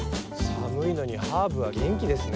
寒いのにハーブは元気ですね。